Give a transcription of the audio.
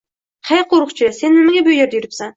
Hey qoʻriqchi, sen nimaga bu yerda yuribsan.